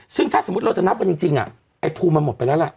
ซึ่งถ้าสมมุติเราจะนับกันจริงไอ้ภูมิมันหมดไปแล้วล่ะ